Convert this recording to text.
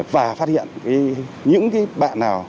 và phát hiện những cái bạn nào